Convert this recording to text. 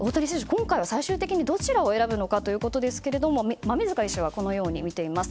今回は最終的にどちらを選ぶのかということですが馬見塚医師はこのように見ています。